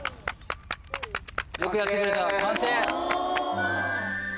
よくやってくれた。